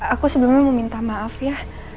aku sebelumnya mau minta maaf ya